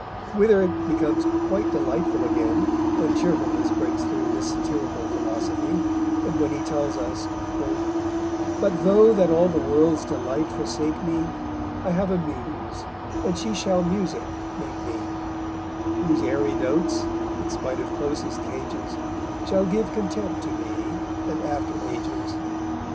Wither becomes quite delightful again, when cheerfulness breaks through this satirical philosophy, and when he tells us: _But though that all the world's delight forsake me, I have a Muse, and she shall music make me; Whose aery notes, in spite of closest cages, Shall give content to me and after ages_.